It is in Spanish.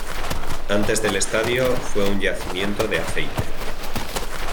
Antes del estadio, fue un yacimiento de aceite.